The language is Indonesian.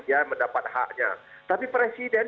dia mendapat haknya tapi presiden